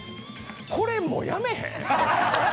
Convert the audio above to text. これ、もうやめへん？